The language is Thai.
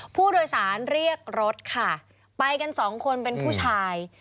ผู้โดยสารเรียกรถค่ะไปกันสองคนเป็นผู้ชาย